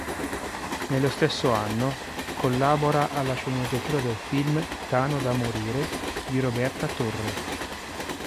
Nello stesso anno collabora alla sceneggiatura del film "Tano da morire", di Roberta Torre.